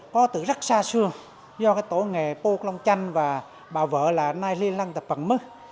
có từ rất xa xưa do cái tổ nghề pô công tranh và bà vợ là nai ly lăng tập phẩm